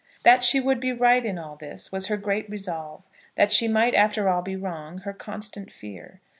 That she would be right in all this, was her great resolve; that she might after all be wrong, her constant fear.